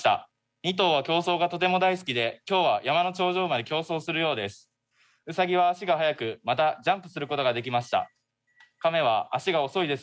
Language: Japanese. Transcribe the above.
２頭は競走がとても大好きで今日は山の頂上まで競走するようです。